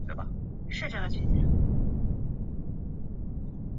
长野县立大学理事长。